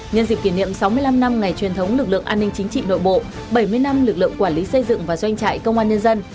nhân dịp kỷ niệm sáu mươi năm năm ngày truyền thống lực lượng an ninh chính trị nội bộ bảy mươi năm lực lượng quản lý xây dựng và doanh trại công an nhân dân